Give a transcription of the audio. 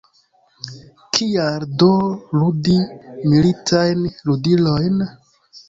Kial do ludi militajn ludilojn?